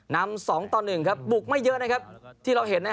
นำ๒ต่อ๑ครับบุกไม่เยอะนะครับที่เราเห็น